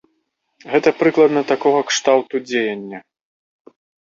Гэта прыкладна такога кшталту дзеянне.